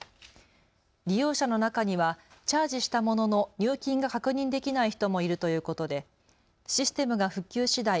利用者の中にはチャージしたものの入金が確認できない人もいるということでシステムが復旧しだい